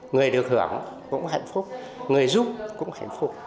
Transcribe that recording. người được hưởng cũng hạnh phúc người giúp cũng hạnh phúc